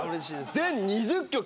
全２０曲。